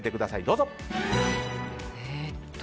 どうぞ。